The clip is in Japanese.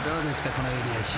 この襟足。